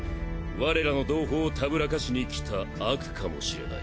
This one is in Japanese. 我らの同胞をたぶらかしに来た悪かもしれない。